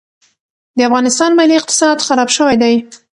د افغانستان مالي اقتصاد خراب شوی دي.